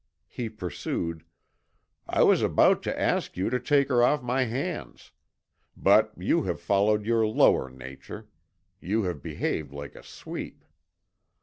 He pursued: "I was about to ask you to take her off my hands. But you have followed your lower nature you have behaved like a sweep."